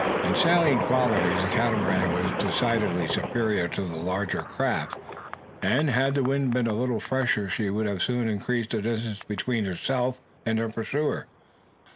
In sailing qualities the Catamaran was decidedly superior to the larger raft; and had the wind been only a little fresher she would soon have increased the distance between herself and her pursuer.